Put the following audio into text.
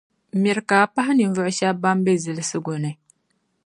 Miri ka a pahi ninvuɣu shεba ban be zilsigu ni.